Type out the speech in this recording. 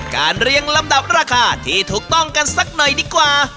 เรียงลำดับราคาที่ถูกต้องกันสักหน่อยดีกว่า